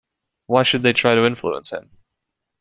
Why should they try to influence him?